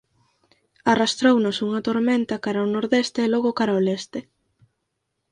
Arrastrounos unha tormenta cara o nordeste e logo cara o leste.